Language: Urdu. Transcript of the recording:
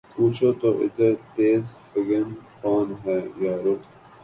پوچھو تو ادھر تیر فگن کون ہے یارو